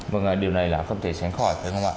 vâng điều này là không thể sáng khỏi